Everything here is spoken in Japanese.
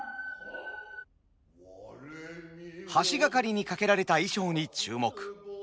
橋掛かりに掛けられた衣装に注目。